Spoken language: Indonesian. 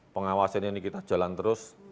pengawasan ini kita jalan terus